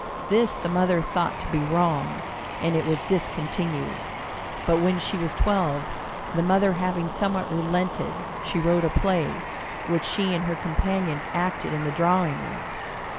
This the mother thought to be wrong, and it was discontinued. But when she was twelve, the mother having somewhat relented, she wrote a play, which she and her companions acted in the drawing room.